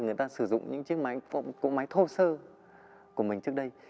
người ta sử dụng những chiếc máy thô sơ của mình trước đây